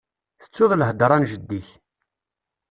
Tettuḍ lhedra n jeddi-k